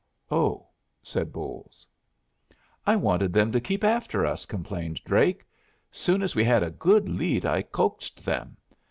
"Oh!" said Bolles. "I wanted them to keep after us," complained Drake. "Soon as we had a good lead I coaxed them.